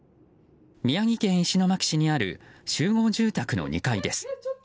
宮城県石巻市にある集合住宅の２階です。